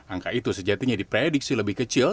angka itu sejatinya diprediksi lebih kecil